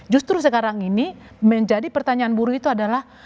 justru sekarang ini menjadi pertanyaan buruh itu adalah